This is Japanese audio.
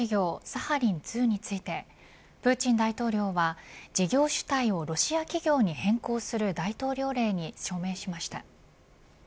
サハリン２についてプーチン大統領は事業主体をロシア企業に変更する大統領令に署名しました。